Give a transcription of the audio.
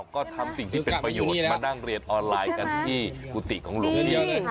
ก็ทำสิ่งที่เป็นประโยชน์มานั่งเรียนออนไลน์กันที่กุฏิหลวงพี่